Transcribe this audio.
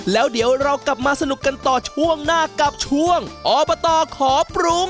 แล้วเดี๋ยวเรากลับมาสนุกกันต่อช่วงหน้ากับช่วงอบตขอปรุง